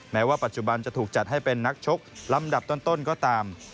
แม้ว่าปัจจุบันจะถูกจัดให้เป็นนักชกลำดับต้นก็ตาม